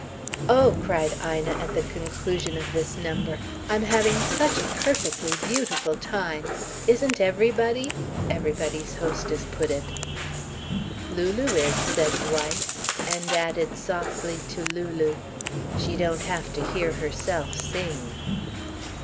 "Oh," cried Ina, at the conclusion of this number, "I'm having such a perfectly beautiful time. Isn't everybody?" everybody's hostess put it. "Lulu is," said Dwight, and added softly to Lulu: "She don't have to hear herself sing."